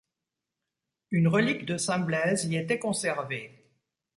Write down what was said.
Une relique de St Blaise y était conservée.